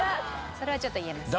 それはちょっと言えません。